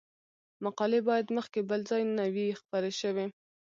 مقالې باید مخکې بل ځای نه وي خپرې شوې.